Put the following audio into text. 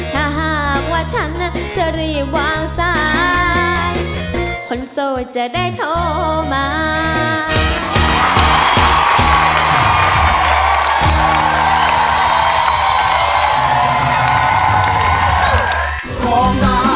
ถ้าหากว่าฉันจะรีบวางสายคนโสดจะได้โทรมา